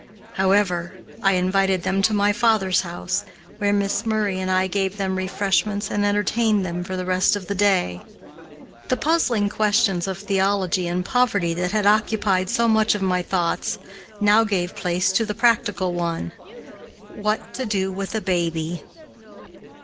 However, I invited them to my father's house, where Miss Murray and I gave them refreshments and entertained them for the rest of the day. The puzzling questions of theology and poverty that had occupied so much of my thoughts, now gave place to the practical one, "what to do with a baby."